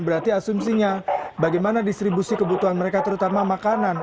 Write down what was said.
berarti asumsinya bagaimana distribusi kebutuhan mereka terutama makanan